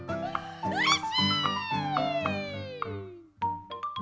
うれしい！